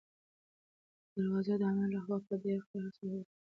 دروازه د انا له خوا په ډېر قهر سره وتړل شوه.